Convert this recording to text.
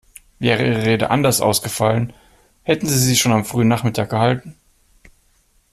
Wäre Ihre Rede anders ausgefallen, hätten Sie sie schon am frühen Nachmittag gehalten?